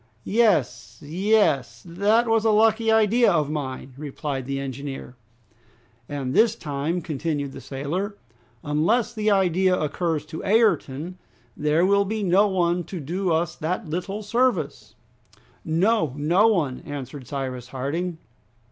"Yes, yes! That was a lucky idea of mine!" replied the engineer. "And this time," continued the sailor, "unless the idea occurs to Ayrton, there will be no one to do us that little service!" "No! No one!" answered Cyrus Harding.